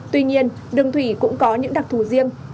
tuy nhiên đường thủy cũng có những đặc thù riêng